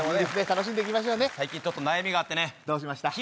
楽しんでいきましょう最近ちょっと悩みがあってねどうしました？